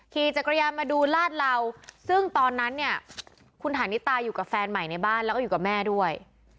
ขี่จักรยานมาดูลาดเหล่าซึ่งตอนนั้นเนี่ยคุณฐานิตาอยู่กับแฟนใหม่ในบ้านแล้วก็อยู่กับแม่ด้วย